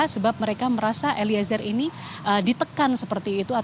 sebab mereka merasa eliezer ini ditekan seperti itu